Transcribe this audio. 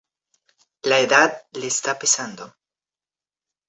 La edad le está pesando.